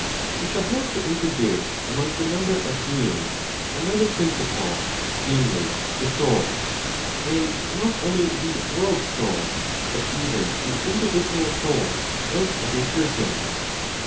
We shall have to introduce among the number of beings another principle, namely: the soul; and not only the World soul, but even the individual soul of every person.